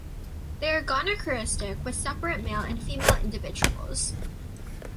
They are gonochoristic, with separate male and female individuals.